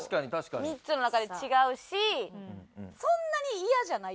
３つの中で違うしそんなにイヤじゃないと思う。